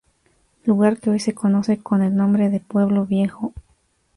Lugar que hoy se conoce con el nombre de Pueblo Viejo.